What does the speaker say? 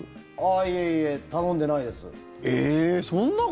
いえいえ頼んでないです。